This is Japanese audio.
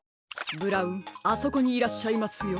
ブラウンあそこにいらっしゃいますよ。